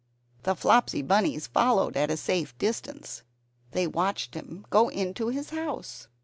The Flopsy Bunnies followed at a safe distance. They watched him go into his house.